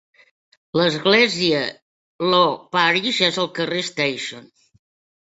L'església Law Parish és al carrer Station.